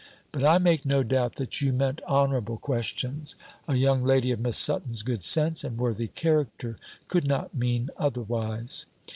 But I make no doubt that you meant honourable questions. A young lady of Miss Sutton's good sense, and worthy character, could not mean otherwise.